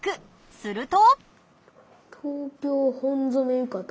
すると？